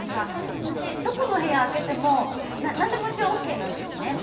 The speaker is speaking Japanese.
私、どこの部屋を開けても何でもうちはＯＫなんですね。